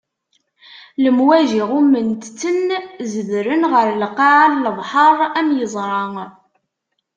Lemwaǧi ɣumment-ten, zedren ɣer lqaɛa n lebḥeṛ, am yeẓra.